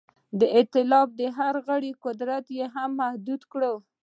د ایتلاف د هر غړي قدرت یې هم محدود کړ.